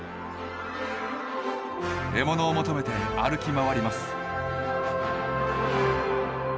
獲物を求めて歩き回ります。